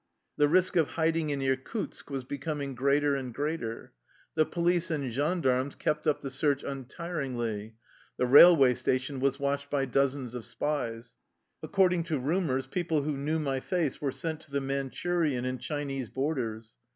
The risk of hiding in Irkutsk was becoming greater and greater. The police and gendarmes kept up the search untiringly. The railway sta tion was watched by dozens of spies. Accord ing to rumors, people who knew my face were sent to the Manchurian and Chinese borders.